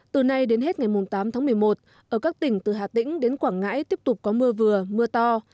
từ nay đến hết ngày tám tháng một mươi một ở các tỉnh từ hà tĩnh đến quảng ngãi tiếp tục có mưa vừa mưa to